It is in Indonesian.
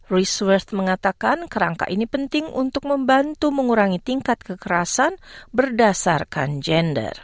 research mengatakan kerangka ini penting untuk membantu mengurangi tingkat kekerasan berdasarkan gender